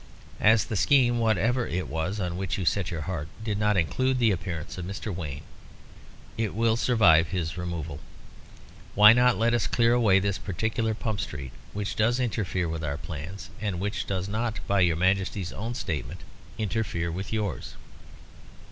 As the scheme, whatever it was, on which you set your heart did not include the appearance of Mr. Wayne, it will survive his removal. Why not let us clear away this particular Pump Street, which does interfere with our plans, and which does not, by your Majesty's own statement, interfere with yours."